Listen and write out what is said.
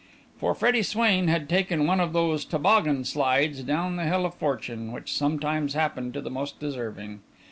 For Freddie Swain had taken one of these toboggan slides down the hill of fortune which sometimes happen to the most deserving.